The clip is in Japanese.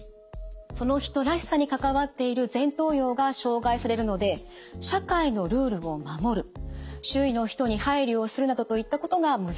その人らしさに関わっている前頭葉が障害されるので社会のルールを守る周囲の人に配慮をするなどといったことが難しくなってきます。